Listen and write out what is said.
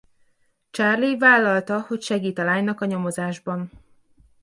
Charlie vállalta hogy segít a lánynak a nyomozásban.